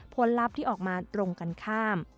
ลัพธ์ที่ออกมาตรงกันข้าม